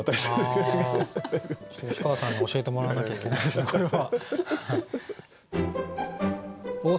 吉川さんに教えてもらわなきゃいけないですねこれは。